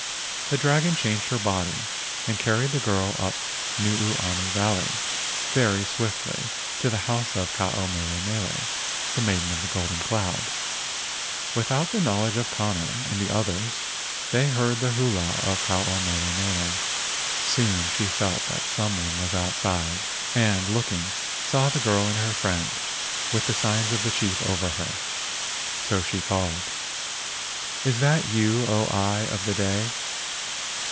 The dragon changed her body and carried the girl up Nuuanu Valley very swiftly to the house 146 LEGENDS OF GHOSTS of Ke ao mele mele (the maiden of the golden cloud) without the knowledge of Kane and the others. They heard the hula of Ke ao mele mele. Soon she felt that some one was outside, and looking saw the girl and her friend, with the signs of a chief over her. So she called: "Is that you, O eye of the day?